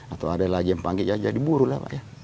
atau ada lagi yang panggil ya jadi buru lah pak ya